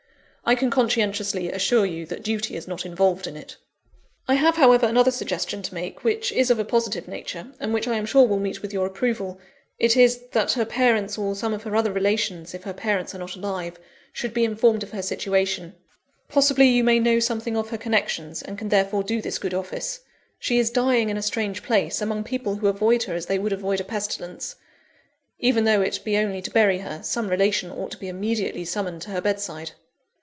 I can conscientiously assure you that duty is not involved in it. "I have, however, another suggestion to make, which is of a positive nature, and which I am sure will meet with your approval. It is, that her parents, or some of her other relations, if her parents are not alive, should be informed of her situation. Possibly, you may know something of her connections, and can therefore do this good office. She is dying in a strange place, among people who avoid her as they would avoid a pestilence. Even though it be only to bury her, some relation ought to be immediately summoned to her bed side.